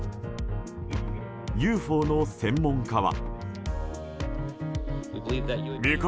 ＵＦＯの専門家は。